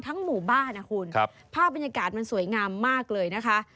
หมู่บ้านนะคุณภาพบรรยากาศมันสวยงามมากเลยนะคะ